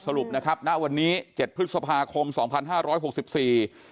สรุปนะครับณวันนี้เจ็ดพฤษภาคมสองพันห้าร้อยหกสิบสี่